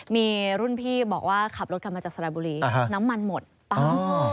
มีรุ่นพี่บอกว่าขับรถกลับมาจากสระบุรีน้ำมันหมดปั้ง